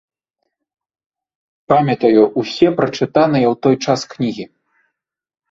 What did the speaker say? Памятаю ўсе прачытаныя ў той час кнігі.